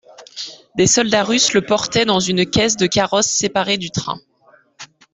Des soldats russes le portaient dans une caisse de carrosse séparée du train.